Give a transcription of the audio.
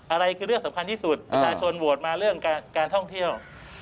อะไรคือเรื่องสำคัญที่สุดประชาชนโหวตมาเรื่องการท่องเที่ยว